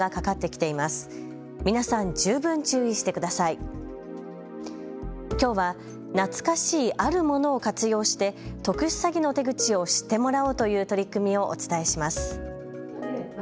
きょうは、懐かしいあるものを活用して特殊詐欺の手口を知ってもらおうという取り組みをお伝えします。